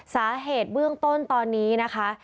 สาเหตุเบื้องต้นตอนนี้นะคะ